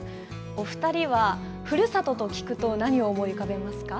お２人はふるさとと聞くと、何を思い浮かべますか。